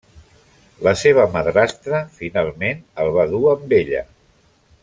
La seva madrastra finalment el va dur amb ella.